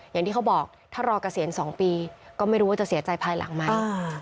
อย่างที่เขาบอกถ้ารอเกษียณ๒ปีก็ไม่รู้ว่าจะเสียใจภายหลังไหม